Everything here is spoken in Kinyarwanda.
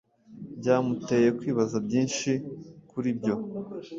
byamuteye kwibaza byinshi kuri byo